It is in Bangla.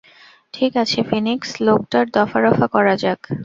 ঠিক আছে, ফিনিক্স, লোকটার দফারফা করা যাক।